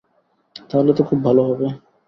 তাহলে তো খুব ভালো হবে।